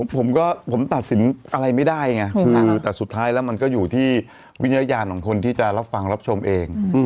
ผมก็ผมตัดสินอะไรไม่ได้ไงคือแต่สุดท้ายแล้วมันก็อยู่ที่วิญญาณของคนที่จะรับฟังรับชมเอง